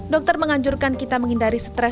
dokter menganjurkan kita menghindari stres